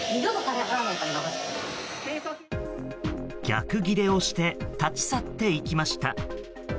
逆ギレをして立ち去っていきました。